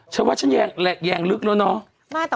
ฉันว่าแต่มรู้ว่าแยงลึกแล้วเนาะ